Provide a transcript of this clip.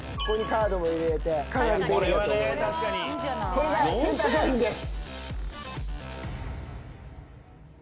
これがセンター商品です。